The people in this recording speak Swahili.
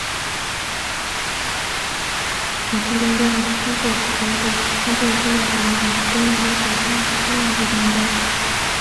"Hatulingani, hata ukijaribu, hata vidole havilingani, tena vyako vitano lakini havilingani"